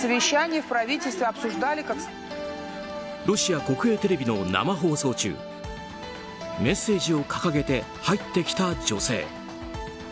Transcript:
ロシア国営テレビの生放送中メッセージを掲げて入ってきた女性。